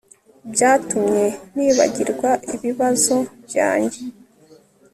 Byatumye nibagirwa ibibazo byanjye